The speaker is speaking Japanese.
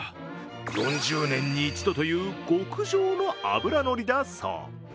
４０年に一度という極上の脂乗りだそう。